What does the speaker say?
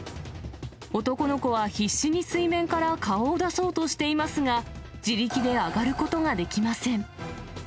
男の子は必死に水面から顔を出そうとしていますが、自力で上がることができません。